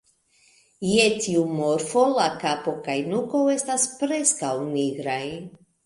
Je tiu morfo la kapo kaj nuko estas preskaŭ nigraj.